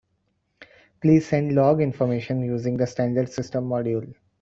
Please send log information using the standard system module.